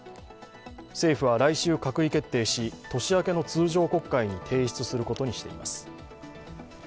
政府は来週閣議決定し年明けの通常国会に提出することにしています。